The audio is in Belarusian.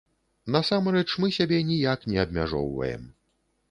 Насамрэч, мы сябе ніяк не абмяжоўваем.